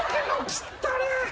きったねえ。